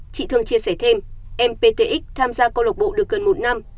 chị thương chia sẻ thêm em ptx tham gia câu lọc bộ được gần một năm